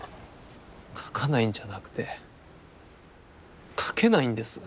書かないんじゃなくて書けないんです。